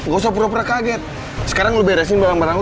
gak usah pura pura kaget sekarang lebih beresin barang barang